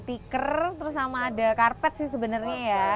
stiker terus sama ada karpet sih sebenarnya ya